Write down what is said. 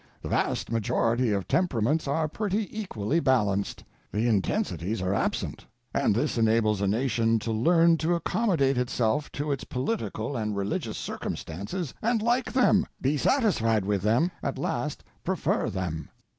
The vast majority of temperaments are pretty equally balanced; the intensities are absent, and this enables a nation to learn to accommodate itself to its political and religious circumstances and like them, be satisfied with them, at last prefer them.